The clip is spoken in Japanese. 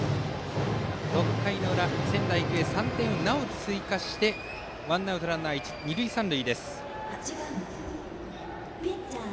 ６回裏、仙台育英３点をなおも追加してワンアウトランナー、二塁三塁。